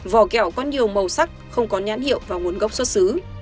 vỏ kẹo có nhiều màu sắc không có nhãn hiệu và nguồn gốc xuất xứ